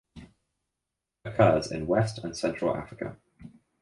Occurs in West and Central Africa.